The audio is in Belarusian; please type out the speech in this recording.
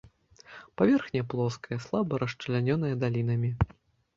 Паверхня плоская, слаба расчлянёная далінамі.